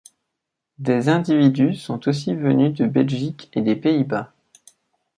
Des individus sont aussi venus de Belgique et des Pays-Bas.